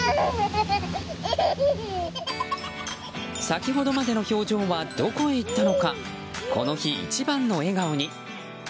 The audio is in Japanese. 先ほどまでの表情はどこへ行ったのかこの日一番の笑顔に。